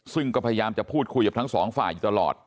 ซึ่งก็พยายามจะพูดคุยกับทั้งสองฝ่ายอยู่ตลอด